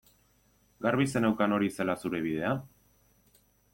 Garbi zeneukan hori zela zure bidea?